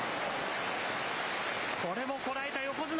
これもこらえた横綱。